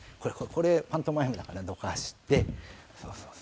これパントマイムだからどかしてそうそうそうそう。